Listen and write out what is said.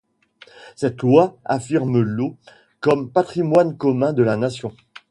Cette loi affirme l’eau comme patrimoine commun de la Nation.